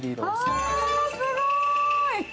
ああ、すごい！